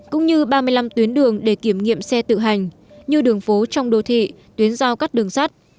cũng như ba mươi năm tuyến đường để kiểm nghiệm xe tự hành như đường phố trong đô thị tuyến giao cắt đường sắt